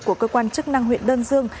của cơ quan chức năng huyện đơn dương